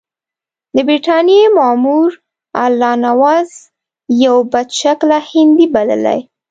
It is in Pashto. د برټانیې مامور الله نواز یو بدشکله هندی بللی.